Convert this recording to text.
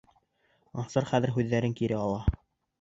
Ансар хәҙер һүҙҙәрен кире ала.